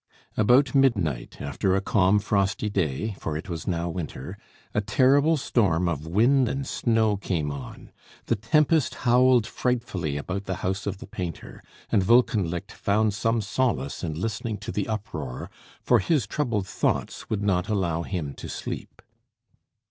About midnight, after a calm frosty day, for it was now winter, a terrible storm of wind and snow came on. The tempest howled frightfully about the house of the painter, and Wolkenlicht found some solace in listening to the uproar, for his troubled thoughts would not allow him to sleep.